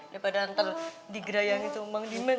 daripada ntar digerayangin sama mang diman